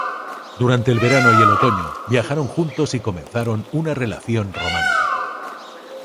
Durante el verano y el otoño, viajaron juntos y comenzaron una relación romántica.